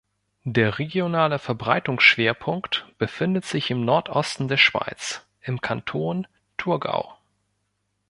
Der regionale Verbreitungsschwerpunkt befindet sich im Nordosten der Schweiz, im Kanton Thurgau.